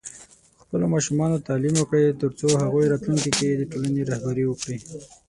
په خپلو ماشومانو تعليم وکړئ، ترڅو هغوی راتلونکي کې د ټولنې رهبري وکړي.